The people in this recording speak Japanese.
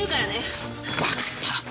わかった。